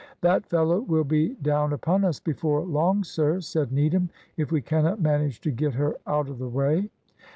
"That fellow will be down upon us before long, sir," said Needham, "if we cannot manage to get her out of the way."